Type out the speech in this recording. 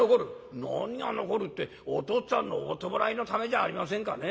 「何が残るってお父っつぁんのお葬式のためじゃありませんかね。